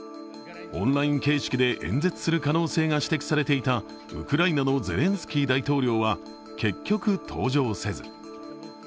オンライン形式で演説する可能性が指摘されていたウクライナのゼレンスキー大統領は結局、登場せず。